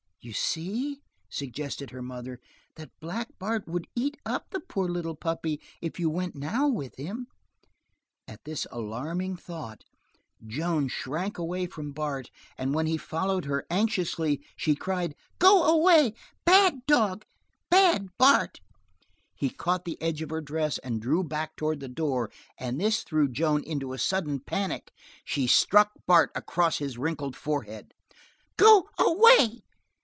"You see," suggested her mother, "that Black Bart would eat up the poor little puppy if you went now with him." At this alarming thought, Joan shrank away from Bart and when he followed her, anxiously, she cried: "Go away! Bad dog! Bad Bart!" He caught the edge of her dress and drew back toward the door, and this threw Joan into a sudden panic. She struck Bart across his wrinkled forehead. "Go away!"